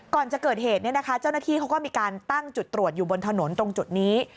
ก่อนจะเกิดเหตุเจ้าหน้าที่เขาก็มีการตั้งจุดตรวจอยู่บนถนนตรงจุดนี้